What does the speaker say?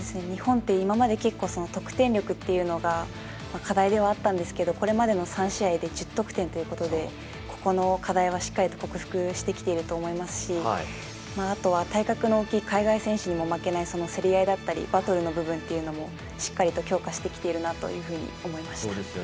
日本は今まで結構得点力というのが課題ではあったんですけどこれまでの３試合で１０得点ということでここの課題はしっかり克服してきていると思いますしあとは体格の大きい海外選手にも負けない競り合いだったりバトルの部分もしっかりと強化してきているなというふうに思いました。